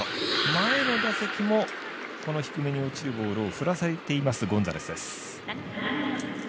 前の打席もこの低めに落ちるボールを振らされています、ゴンザレス。